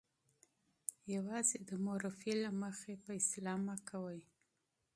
یوازې د مورفي له مخې مه قضاوت کوئ.